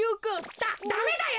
ダダメだよ！